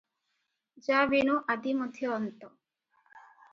ଯା ବିନୁ ଆଦି ମଧ୍ୟ ଅନ୍ତ ।